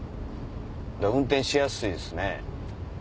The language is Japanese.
だから運転しやすいですね。